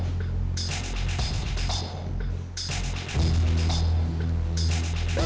ya udah deh